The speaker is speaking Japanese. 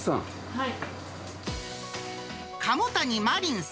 はい。